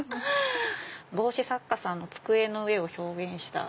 帽子作家の机の上を表現した。